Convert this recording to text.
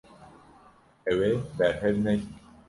Ew ê berhev nekin.